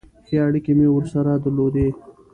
ښې اړیکې مې ورسره درلودې.